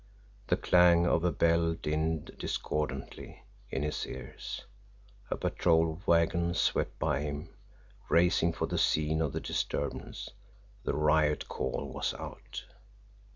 The clang of a bell dinned discordantly in his ears a patrol wagon swept by him, racing for the scene of the disturbance the riot call was out!